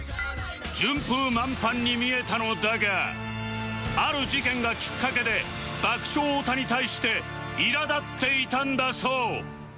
順風満帆に見えたのだがある事件がきっかけで爆笑太田に対して苛立っていたんだそう